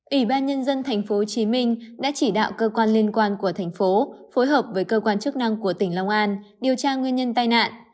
ủy ban nhân dân tp hcm đã chỉ đạo cơ quan liên quan của thành phố phối hợp với cơ quan chức năng của tỉnh long an điều tra nguyên nhân tai nạn